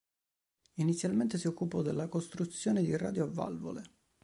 Inizialmente si occupò della costruzione di radio a valvole.